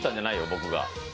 僕が。